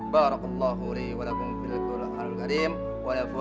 barakallahulihualaikum bilaqul al al gharim wa'alaikum salam